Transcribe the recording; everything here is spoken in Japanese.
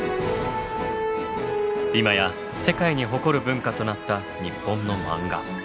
今や世界に誇る文化となった日本のマンガ。